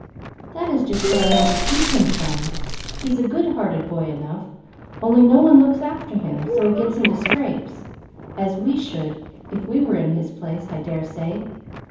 "That is just what I want to keep him from! He's a good hearted boy enough, only no one looks after him; so he gets into scrapes, as we should, if we were in his place, I dare say.